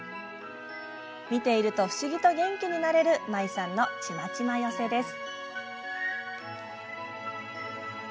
見ていると不思議と元気になれるＭＡｉさんの、ちまちま寄せです。